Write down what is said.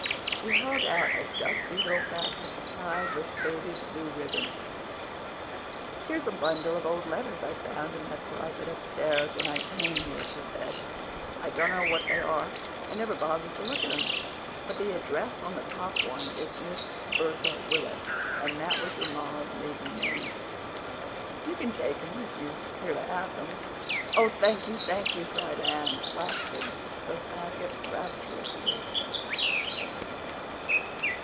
She held out a dusty little packet tied with faded blue ribbon. "Here's a bundle of old letters I found in that closet upstairs when I came here," she said. "I dunno what they are—I never bothered to look in 'em, but the address on the top one is 'Miss Bertha Willis,' and that was your ma's maiden name. You can take 'em if you'd keer to have 'em." "Oh, thank you—thank you," cried Anne, clasping the packet rapturously.